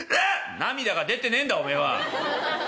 「涙が出てねえんだお前は」。